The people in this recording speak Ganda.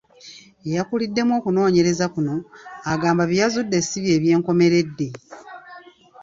Eyakuliddemu okunoonyereza kuno agamba bye bazudde ssi bye byenkomeredde.